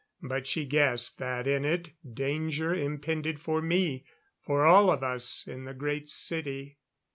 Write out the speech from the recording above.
But she guessed that in it, danger impended for me for all of us in the Great City.